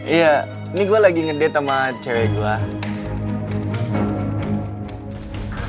iya ini gue lagi ngedet sama cewek gue